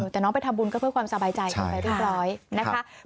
แต่น้องไปทำบุญก็เพื่อความสบายใจกันไปเรียบร้อยนะคะ